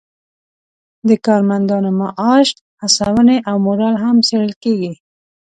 د کارمندانو معاش، هڅونې او مورال هم څیړل کیږي.